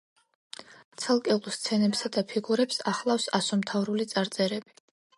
ცალკეულ სცენებსა და ფიგურებს ახლავს ასომთავრული წარწერები.